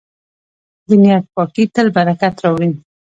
د نیت پاکي تل برکت راوړي.